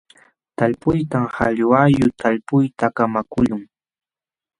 Talpuytam qalluqallu talpuyta kamakaqlun.